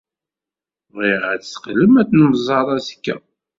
Bɣiɣ ad d-teqqlem ad nemmẓer azekka.